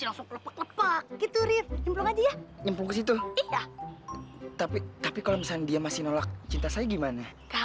gitu ya tapi tapi kalau dia masih nolak cinta saya gimana